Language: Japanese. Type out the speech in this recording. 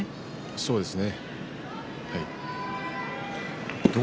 そうですね。